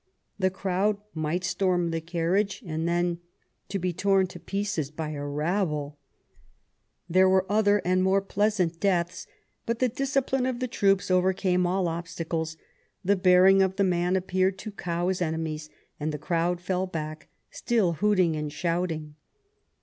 The crowd might storm the carriage and then, to be torn to pieces by a rabble! There were other and more pleasant deaths. But the discipline of the troops overcame all obstacles, the bearing of the man appeared to cow his enemies, and the crowd fell back, still hooting and shouting.